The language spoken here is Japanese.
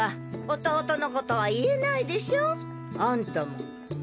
弟の事は言えないでしょあんたも。